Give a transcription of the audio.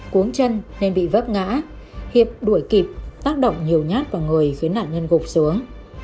cuốn chân nên bị vấp ngã hiệp đuổi đuổi kịp tác động nhiều nhát vào người khiến nạn nhân gục xuống